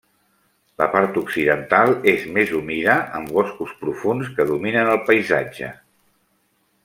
La part occidental és més humida amb boscos profunds que dominen el paisatge.